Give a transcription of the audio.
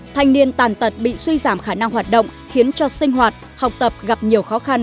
thanh niên tàn tật bị suy giảm khả năng hoạt động khiến cho sinh hoạt học tập gặp nhiều khó khăn